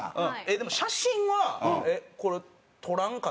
でも写真はこれ撮らんかったっけ？